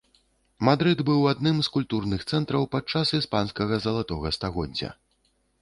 Мадрыд быў адным з культурных цэнтраў падчас іспанскага залатога стагоддзя.